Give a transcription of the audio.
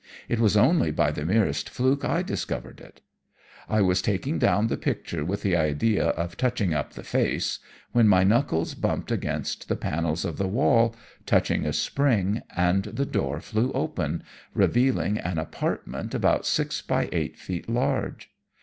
It was only by the merest fluke I discovered it. I was taking down the picture with the idea of "touching up" the face, when my knuckles bumped against the panels of the wall, touched a spring, and the door flew open, revealing an apartment about six by eight feet large.